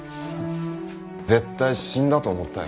絶対死んだと思ったよ。